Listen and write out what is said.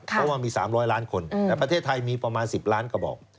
เพราะว่ามี๓๐๐ล้านคนประเทศไทยมีประมาณ๑๐ล้านกระบอก